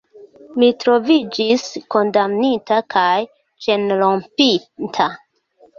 Mi troviĝis kondamnita kaj ĉenrompinta.